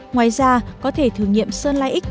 ngoài ra có thể thử nghiệm sơn lai ích